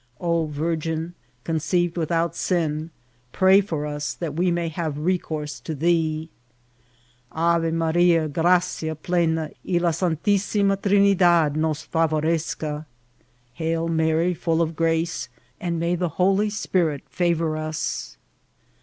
" O Virgin, conceived without sin, pray for us, that we may have recourse to thee." ^^ Ave Maria, gracia plena, y la santissimA Trinidad nos favorezca." ^< Hsdl Mary, friU of grace, and may the Holy Spirit favour us."